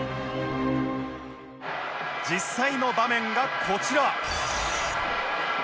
実際の場面がこちら